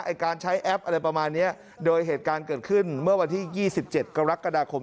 การใช้แอปอะไรประมาณเนี้ยโดยเหตุการณ์เกิดขึ้นเมื่อวันที่ยี่สิบเจ็ดกรกฎาคม